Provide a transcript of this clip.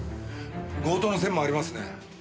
強盗の線もありますね。